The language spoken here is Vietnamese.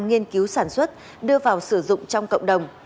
nghiên cứu sản xuất đưa vào sử dụng trong cộng đồng